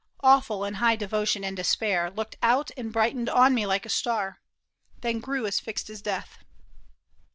Awful in high devotion and despair. Looked out and brightened on me like a star, Then grew as fixed as death.